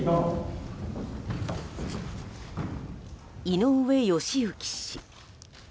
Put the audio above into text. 井上義行氏。